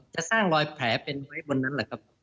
จะสร้างรอยแผลเป็นไว้บนนั้นแหละครับ